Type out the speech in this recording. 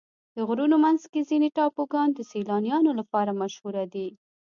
د غرونو منځ کې ځینې ټاپوګان د سیلانیانو لپاره مشهوره دي.